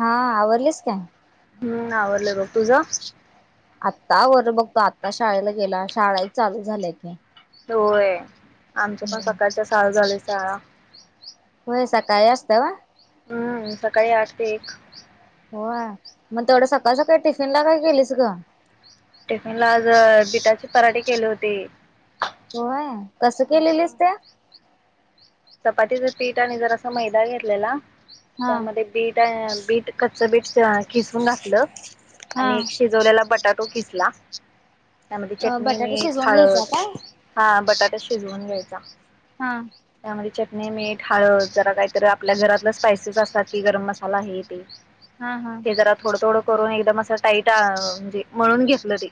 हा आवरलीस काय? हम्म! आवरलं बघ. तुझं आत्ता आवरलं बघ तो आत्ता शाळेला गेला शाळा चालू झाल्याय की. होय, आमच्या पण हम्म. सकाळच चालू झालंय शाळा. होय सकाळी असतं व्हय. हम्म! सकाळी आठ ते एक. होय मग तेवढं सकाळ सकाळी टिफिन ला काय केेलीस गं. टिफिन ला आज बिटाची पराठीे केली होती. होय. आहे कसं केलेलीस ते? चपातीचं पीठ आणि जर असा मैदा घेतलेला हा त्यामध्ये बीट -बीट कच्च बीट खिसून घातलं हा आणि एक शिजवलेला बटाटू खिसला. त्यामध्ये चटणी, बटाटे मीठ, शिजवून हळद. घ्यायचा काय? हा बटाटा शिजवून घ्यायचा. हा. त्यामध्ये चटणी, मीठ, हळद जरा काही तर आपल्या घरातलं स्पायसेस असतात की गरम मसाला आहे हे ते. हा हा. ते जरा थोडं थोडं करून एकदम असं टाईट म्हणजे मळून घेतलं ते.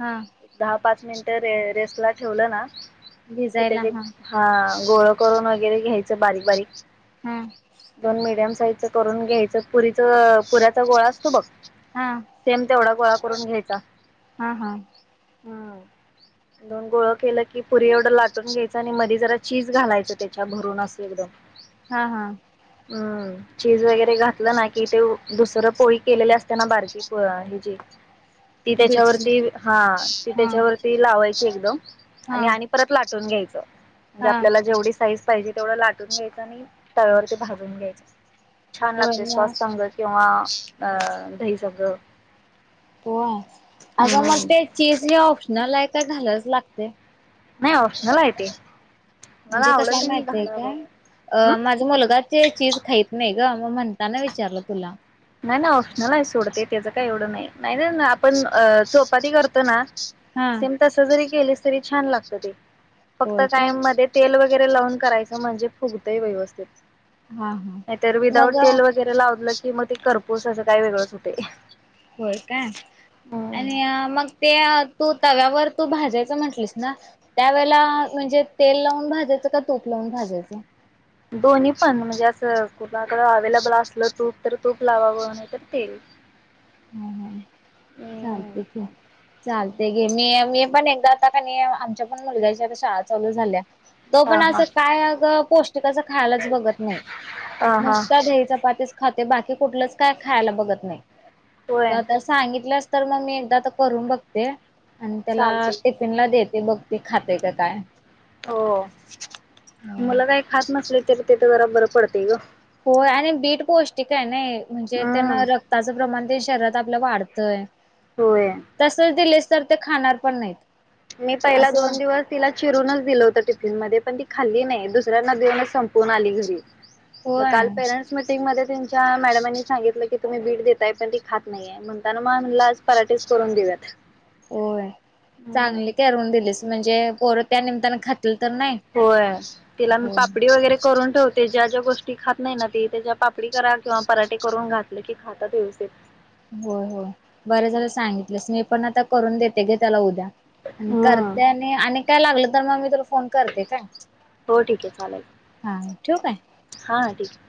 हम! दहा पाच मिनिट रे रेस्ट ला ठेवलं ना की त्याचे हा. गोळं करून वगैरे घ्यायचं बारीक बारीक हम! दोन मीडियम साइज च करून घ्यायचं पुरीच पुऱचा गोळा. तू बघ हा सेम तेवढा गोळा करून घ्यायचा. हा हा हम् दोन गोळ केलं की पुरी एवढं लाटून घ्यायचं आणि मधी जरा चीज घालायचं त्याच्या भरून असू एकदम हा हा हम्म चीज वगैरे घातलं ना कि ते दुसरं पोळी केलेली असत ना बारकी आहे जे ती बीटची त्याच्यावरती हा ती हा त्याच्यावरती लावायची एकदम हा आणि आणि परत लाटून घ्यायचं म्हणजे हा आपल्याला जेवढी साईज पाहिजे तेवढं लाटून घ्यायचं आणि तळ्यावर ते भाजून घ्यायचं छान होय लागते मग श्वास संगळ किंवा अ दहीसळं हो आता मग ते चीज हे ऑप्शनल आहे का झालंच लागते नाही ऑप्शनल आहे ते मला म्हणजे कस आवडेल ते मी माहित आहे का घालावं हम्म अ माझा मुलगा चीज खात नाही ग मग म्हणताना विचारलं तुला नाही ना ऑप्शनल आहे सोडते त्याचं काही एवढं नाही नाही नाही आपण अ चोपाती करतो ना. हा तस जरी केलेस तरी छान लागत ते फक्त होय का काय मध्ये तेल वगैरे लावून करायचं म्हणजे फुगतंय व्यवस्थित हा हा नाहीतर विदाउट मग तेल वगैरे लावलं की मग ते करपूस असं काय वेगळंच होते होर काय आणि मग ते तू तव्यावर तू भाजायचं म्हंटलंस ना त्यावेेळे म्हणजे तेल लावून भाजायचं का तूप लावून भाजायचं दोन्ही पण म्हणजे असं कुणाकड अवेलेबल असलं तूप तर तूप लावाव नाही तर ते हम् हम चालते क चालते घे मी मी पण एकदा आता का आमच्या पण मुलग्याच्या शाळा चालू झाल्या तो हा पण हा असं काय अ पोस्ट खाय बत नाही हा हा मत खात बाकी कुठलंच काय खायला बघत नाही होय आता सांगितलंस तर मग मी एकदा आ तर करून बघते आणि त्याला चालते की टिफिन ला देते बघ त खाते का काय हो मुला काही खात नसले तरी ते तर जरा बरं पडतेय ग होय आणि बीट पौष्टिक आहे ना म्हणजे हम्म त्यांना रक्ताचं प्रमाण शहरात आपलं वाढतंय होोय तसच दिलेस तर ते खाणार पण नाहीत मी पहिला असं दोन दिवस तिला चिरूनच दिलं होतं टिफिन मध्ये पण ती खाल्ली नाही दुसऱ्यांना देऊनच संपवून आली घरी मग होय काल पेरेंट्स मीटिंगमध्येध्ये त्यांच्या मॅडमांनी सांगितलं की तुम्ही बीट देताय पण ती खात नाहीे म्हणताना मगला आज पराठेस करून देऊयात होय हम्म चांगली करून दिलीस म्हणजे पोरं त्या निमताने खातील तर नाही होय तिला मी हो. पापडी वगैरे करून ठेवते ते ज्या ज्या गोष्टी खात नाही ना ती ते ज्या पापडी करा किंवा पराठे करून घातले की खातात व्यवस्ित हो हो बरं झालं सांगितलंस मी पण आता करून देते घे त्याला उद्या आणि हम्म. करते आणि आणि काय लागलं तर मग मी तुला फोन करते काय हो ठीक आहे चालेल हा ठेवू काय हा ठीक आहे